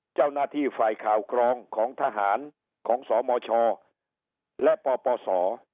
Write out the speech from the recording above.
และไฟล์ข่าวกรองของทหารของสะหมอชอและปลพสอ